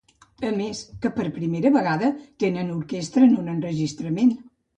A més que per primera vegada tenen orquestra en un enregistrament.